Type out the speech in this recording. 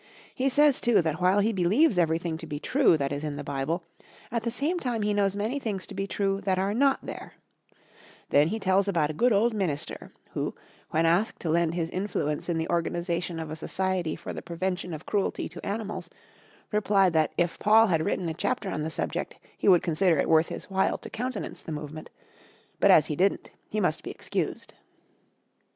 He says, too, that while he believes everything to be true that is in the Bible, at the same time he knows many things to be true that are not there; then he tells about a good old minister, who, when asked to lend his influence in the organization of a society for the prevention of cruelty to animals, replied that if Paul had written a chapter on the subject he would consider it worth his while to countenance the movement, but as he didn't, he must be excused.